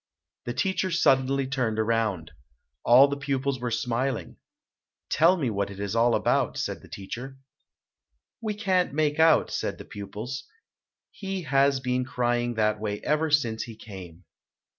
The teacher suddenly turned around. All the pupils were smiling. "Tell me what it is all about", said the teacher. "We can't make out", said the pupils, "he has been crying that way ever since he came."